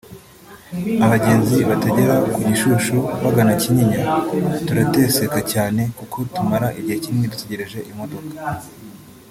“Abagenzi bategera ku Gishushu bagana Kinyiya turateseka cyane kuko tumara igihe kinini dutegereje imodoka